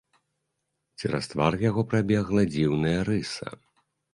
Цераз твар яго прабегла дзіўная рыса.